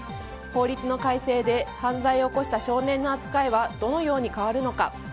法律の改正で犯罪を起こした少年の扱いはどのように変わるのか。